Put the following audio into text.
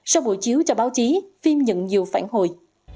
sau buổi chiếu cho báo chí phim nhận nhiều phản hồi